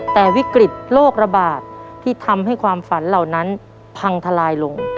แต่วิกฤตโรคระบาดที่ทำให้ความฝันเหล่านั้นพังทลายลง